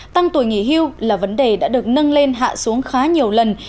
tăng tuổi nghỉ hưu là vấn đề đã được nâng lên hạ xuống khá nhiều lần